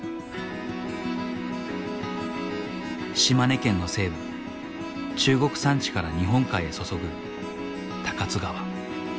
島根県の西部中国山地から日本海へ注ぐ高津川。